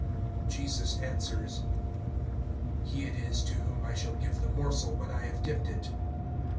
(26)Jesus answers: He it is, to whom I shall give the morsel, when I have dipped it.